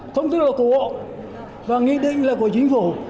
thông tư của bộ và nghị định là của chính phủ